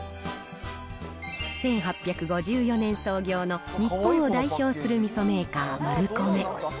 １８５４年創業の日本を代表するみそメーカー、マルコメ。